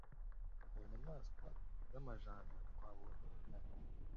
Mu nyamaswa z’amajanja twabonye intare,